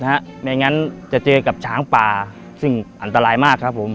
ไม่งั้นจะเจอกับช้างป่าซึ่งอันตรายมากครับผม